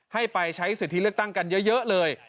ให้ไปใช้สิทธิเลือกตั้งกันเยอะเลย